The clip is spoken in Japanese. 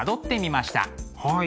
はい。